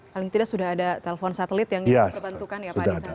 paling tidak sudah ada telepon satelit yang diperbantukan ya pak di sana